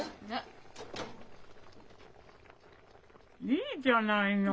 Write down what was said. いいじゃないの。